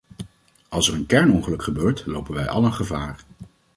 Als er een kernongeluk gebeurt, lopen wij allen gevaar.